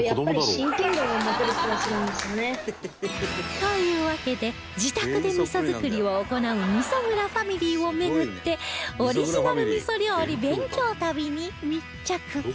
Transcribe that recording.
というわけで自宅で味噌作りを行う味噌蔵ファミリーを巡ってオリジナル味噌料理勉強旅に密着